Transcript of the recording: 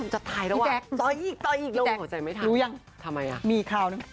จะถ่ายแล้ววะต่ออีกต่ออีกลงหัวใจไม่ทันทำไมอ่ะมีอีกคราวนึง